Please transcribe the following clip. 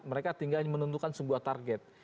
mereka tinggal menentukan sebuah target